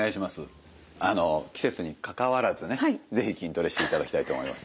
季節にかかわらずね是非筋トレしていただきたいと思います。